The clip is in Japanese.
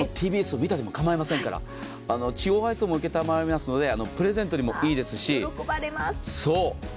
ＴＢＳを見たでも構いませんから、地方発送も承りますのでプレゼントにもいいですし。